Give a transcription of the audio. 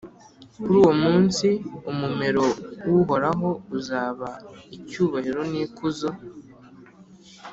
Kuri uwo munsi, umumero w’Uhoraho uzaba icyubahiro n’ikuzo,